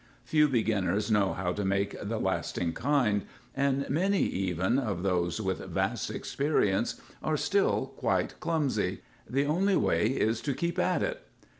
Few beginners know how to make the lasting kind, and many, even, of those with vast experience are still quite clumsy. The only way is to keep at it.